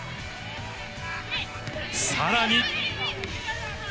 さらに。